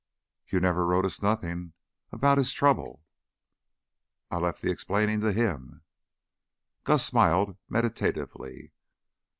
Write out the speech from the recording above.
'" "You never wrote us nothin' about his his trouble." "I left the explaining for him." Gus smiled meditatively.